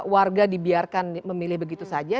warga dibiarkan memilih begitu saja